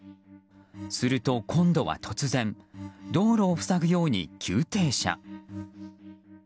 すると、今度は突然道路を塞ぐように急停車。